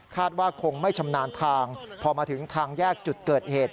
ว่าคงไม่ชำนาญทางพอมาถึงทางแยกจุดเกิดเหตุ